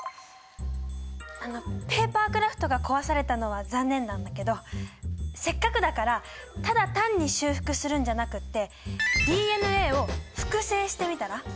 あのペーパークラフトが壊されたのは残念なんだけどせっかくだからただ単に修復するんじゃなくてＤＮＡを複製してみたら？